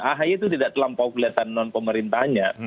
ahy itu tidak terlampau kelihatan non pemerintahnya